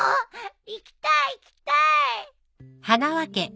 行きたい行きたい！